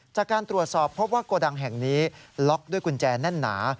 จากการตรวจสอบพบว่าโกดังแห่งนี้ล็อกด้วยกุญแจแน่นหนา